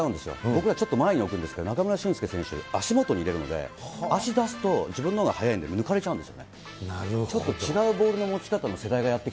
僕らちょっと前に置くんですけど、中村俊輔選手、足元に入れるので、足出すと、自分のほうが速いんで抜かれちゃうんですよ。